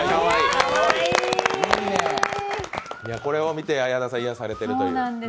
これを見て癒やされているという。